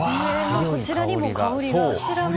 こちらのも香りが！